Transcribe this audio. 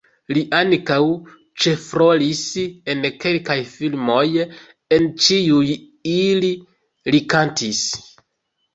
Li ankaŭ ĉefrolis en kelkaj filmoj, en ĉiuj ili li kantis.